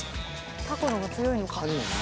タコの方が強いのか？